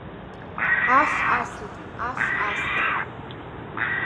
Аф асит, аф аст!